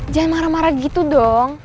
jangan marah marah gitu dong